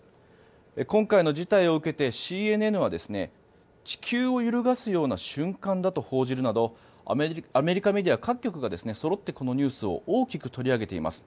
今回の事態を受けて、ＣＮＮは地球を揺るがすような瞬間だと報じるなどアメリカメディア各局がそろってこのニュースを大きく取り上げています。